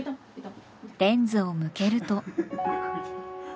レンズを向けると。